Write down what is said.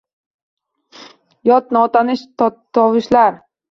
Yot, notanish tovushlar